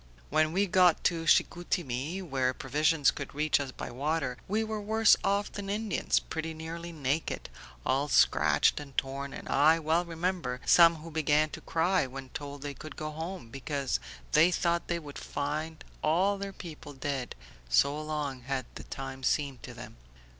"When we got to Chicoutimi where provisions could reach us by water we were worse off than Indians, pretty nearly naked, all scratched and torn, and I well remember some who began to cry when told they could go home, because they thought they would find all their people dead, so long had the time seemed to them.